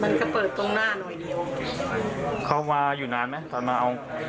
มันจะเปิดตรงหน้าหน่อยเดียวเข้ามาอยู่นานไหมตอนมาเอา